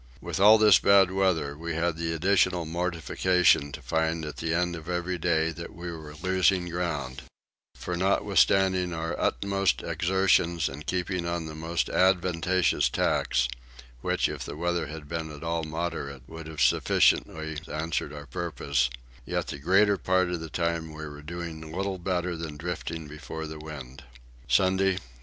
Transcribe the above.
With all this bad weather we had the additional mortification to find at the end of every day that we were losing ground; for notwithstanding our utmost exertions and keeping on the most advantageous tacks (which if the weather had been at all moderate would have sufficiently answered our purpose) yet the greater part of the time we were doing little better than drifting before the wind. Sunday 13.